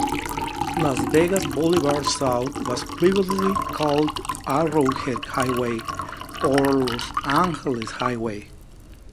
Las Vegas Boulevard South was previously called Arrowhead Highway, or Los Angeles Highway.